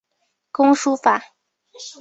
工书法。